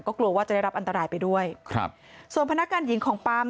กลัวว่าจะได้รับอันตรายไปด้วยครับส่วนพนักงานหญิงของปั๊ม